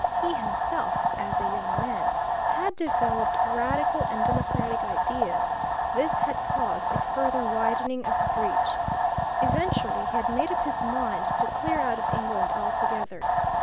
He himself as a young man, had developed radical and democratic ideas this had caused a further widening of the breach. Eventually he had made up his mind to clear out of England altogether.